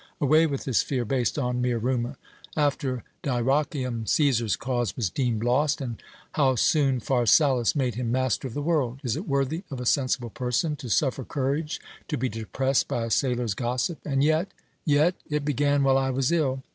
Away with this fear, based on mere rumour! After Dyrrachium Cæsar's cause was deemed lost, and how soon Pharsalus made him master of the world! Is it worthy of a sensible person to suffer courage to be depressed by a sailor's gossip? And yet yet! It began while I was ill.